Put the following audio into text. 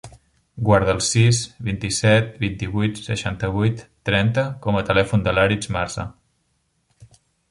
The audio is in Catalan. Guarda el sis, vint-i-set, vint-i-vuit, seixanta-vuit, trenta com a telèfon de l'Aritz Marza.